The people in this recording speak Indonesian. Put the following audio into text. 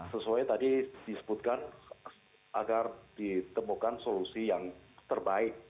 sesuai tadi disebutkan agar ditemukan solusi yang terbaik